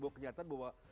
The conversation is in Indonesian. bahwa kenyataan bahwa